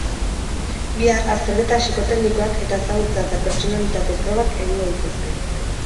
Bihar, azterketa psikoteknikoak eta ezagutza eta pertsonalitate probak egingo dituzte.